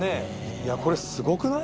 これすごくない？